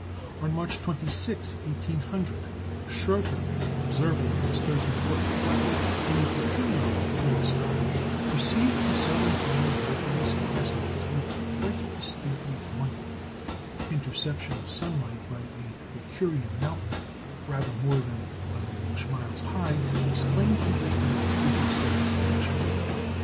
On March 26, 1800, Schröter, observing with his 13 foot reflector in a peculiarly clear sky, perceived the southern horn of Mercury's crescent to be quite distinctly blunted. Interception of sunlight by a Mercurian mountain rather more than eleven English miles high explained the effect to his satisfaction.